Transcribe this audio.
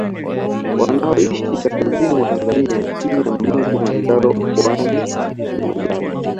Wanaoishi kaskazini mwa Tanzania chini ya mlima Kilimanjaro mkoani Kilimanjaro